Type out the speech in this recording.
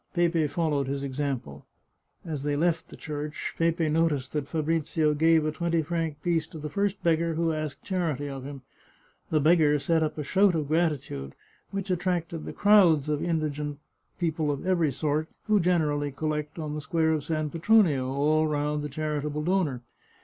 Pepe followed his example. As they left the church Pepe noticed that Fabrizio gave a twenty franc piece to the first beggar who asked charity of him. The beggar set up a shout of gratitude, which attracted the crowds of indigent people of every sort who generally collect on the square of San Petronio all round the charitable donor.